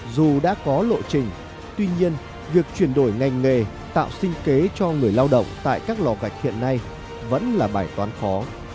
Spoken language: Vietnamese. dù đã có lộ trình tuy nhiên việc chuyển đổi ngành nghề tạo sinh kế cho người lao động tại các lò gạch hiện nay vẫn là bài toán khó